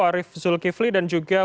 arief zulkifli dan juga